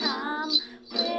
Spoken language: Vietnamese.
chúa tàng nằm làm siment lắm